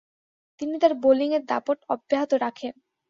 তিনি তার বোলিংয়ের দাপট অব্যাহত রাখেন।